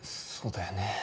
そうだよね。